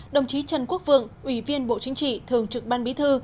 đồng chí trần quốc vượng ủy viên bộ chính trị thường trực ban bí thư